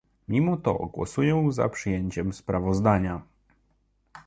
Mimo to głosuję za przyjęciem sprawozdania